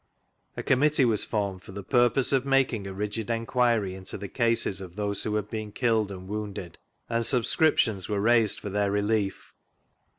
A committee was formed for the purpose oi making a rigid enquiry into tbe cases of those who had been killed and wounded; and subscriptions were raised for their relief.